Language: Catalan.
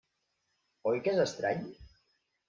Oi que és estrany?